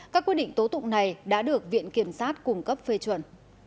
các quyết định tố tụng này đã được viện kiểm sát cung cấp phê chuẩn